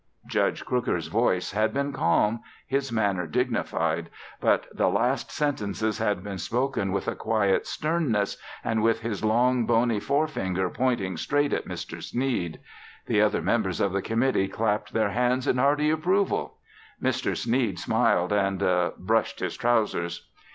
Judge Crooker's voice had been calm, his manner dignified. But the last sentences had been spoken with a quiet sternness and with his long, bony forefinger pointing straight at Mr. Sneed. The other members of the committee clapped their hands in hearty approval. Mr. Sneed smiled and brushed his trousers.